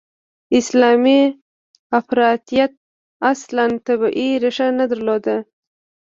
اسلامي افراطیت اصلاً طبیعي ریښه نه درلوده.